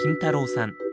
さん。